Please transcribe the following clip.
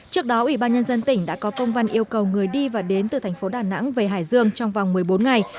trước đó ủy ban nhân dân tỉnh đã có công văn yêu cầu người đi và đến từ thành phố đà nẵng về hải dương trong vòng một mươi bốn ngày